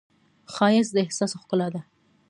ښایست د احساس ښکلا ده